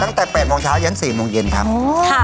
ตั้งแต่๘โมงเช้ายัน๔โมงเย็นครับ